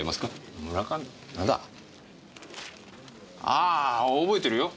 ああ覚えてるよ。